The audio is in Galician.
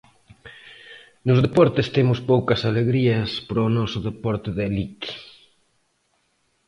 Nos deportes, temos poucas alegrías para o noso deporte de elite.